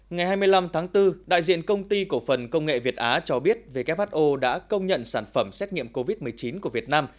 ngày hai mươi năm tháng bốn đại diện công ty cổ phần công nghệ việt á cho biết who đã công nhận sản phẩm xét nghiệm covid một mươi chín của việt nam